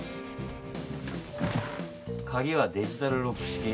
鍵はデジタルロック式。